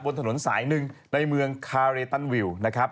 บนถนนสายหนึ่งในเมืองคาเรตันวิวนะครับ